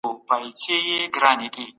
تاسي په خپلو خبرو کي رښتیا وایئ.